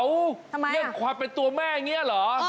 เรื่องความเป็นตัวแม่อย่างนี้เหรอ